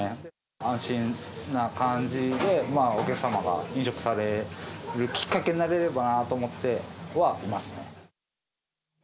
安心な感じで、お客様が飲食されるきっかけになれればなと思ってはいます。